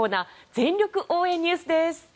全力応援Ｎｅｗｓです。